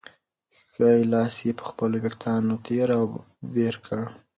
ښی لاس یې په خپلو وېښتانو کې تېر او بېر کړ.